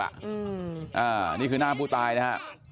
อันนี้คือหน้าผู้ตายนะฮะ